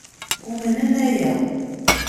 Umnen aya.